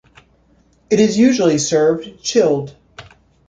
It is usually served chilled.